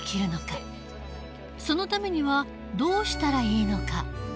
そのためにはどうしたらいいのか。